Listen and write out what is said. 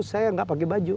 saya gak pakai baju